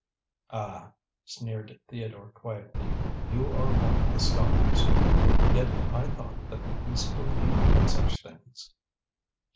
"Ah!" sneered Theodore quietly, "you are one of the scoffers. Yet I thought that the East believed in such things."